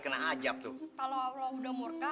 kena ajab tuh kalau allah udah murka